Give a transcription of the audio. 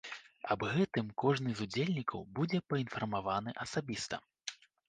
Аб гэтым кожны з удзельнікаў будзе паінфармаваны асабіста.